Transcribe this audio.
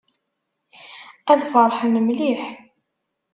Ad ferḥen mliḥ.